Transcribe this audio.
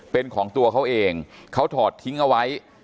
เป็นของตัวเขาเองเขาถอดทิ้งเอาไว้